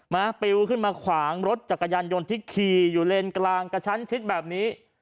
ปิวขึ้นมาขวางรถจักรยานยนต์ที่ขี่อยู่เลนกลางกระชั้นชิดแบบนี้